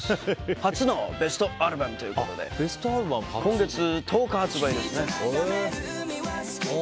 初のベストアルバムということで今月１０日発売です。